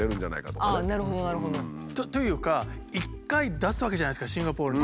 なるほどなるほど。というか一回出すわけじゃないですかシンガポールに。